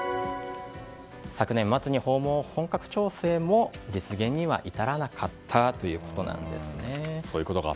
昨年末に訪問を本格調整も実現には至らなかったということなんですね。